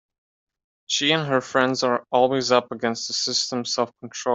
She and her friends are always up against systems of control.